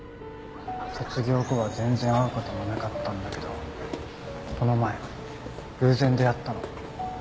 卒業後は全然会う事もなかったんだけどこの前偶然出会ったの。